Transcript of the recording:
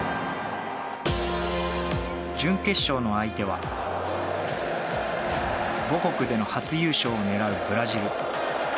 準決勝の相手は母国での初優勝を狙うブラジル。